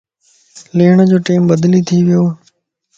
ليڻ جو ٽيم بدلي ٿي ويووَ